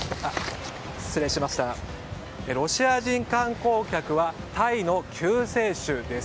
ロシア人観光客はタイの救世主です。